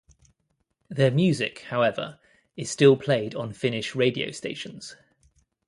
Their music, however, is still played on Finnish radio stations.